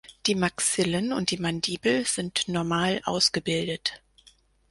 Die Maxillen und die Mandibel sind normal ausgebildet.